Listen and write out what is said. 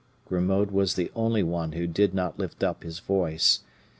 Grimaud was the only one who did not lift up his voice.